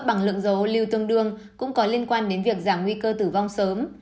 bằng lượng dầu lưu tương đương cũng có liên quan đến việc giảm nguy cơ tử vong sớm